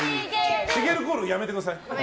しげるコールやめてください。